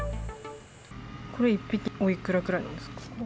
これ１匹おいくらぐらいなんですか？